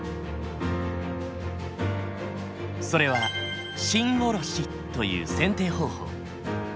それは芯おろしという剪定方法。